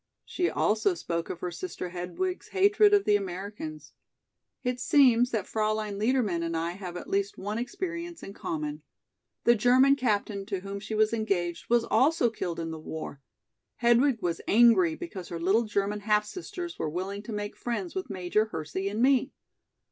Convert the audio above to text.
She also spoke of her sister Hedwig's hatred of the Americans. It seems that Fraulein Liedermann and I have at least one experience in common. The German captain to whom she was engaged was also killed in the war. Hedwig was angry because her little German half sisters were willing to make friends with Major Hersey and me.